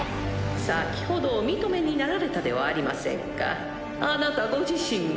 先ほどお認めになられたではありませんかあなたご自身が。